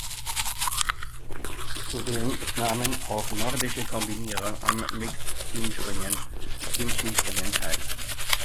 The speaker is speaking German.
Zudem nahmen auch Nordische Kombinierer am "Mixed Teamspringen" im Skispringen teil.